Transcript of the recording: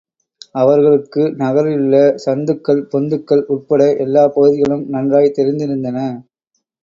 அவர்களுக்கு நகரிலுள்ள சந்துக்கள், பொந்துக்கள் உட்பட எல்லாப் பகுதிகளும் நன்றாய்த் தெரிந்திருந்தன.